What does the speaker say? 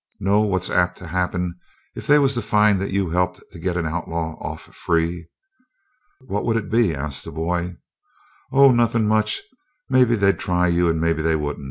Know what's apt to happen if they was to find that you'd helped to get a outlaw off free?" "What would it be?" asked the boy. "Oh, nothin' much. Maybe they'd try you and maybe they wouldn't.